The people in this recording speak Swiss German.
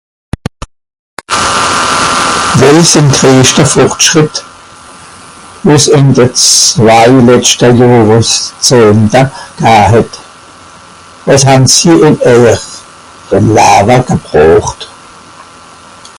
well esch sìn greischt fòrtschritt wàs àn de zwai letschte johreszehnte gah hett was han si ùm eijer lawe gebroocht